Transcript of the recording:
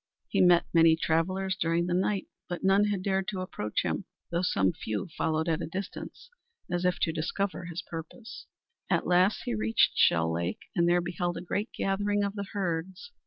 He met many travellers during the night, but none had dared to approach him, though some few followed at a distance, as if to discover his purpose. At last he reached Shell Lake, and there beheld a great gathering of the herds!